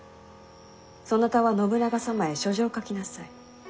そなたは信長様へ書状を書きなさい。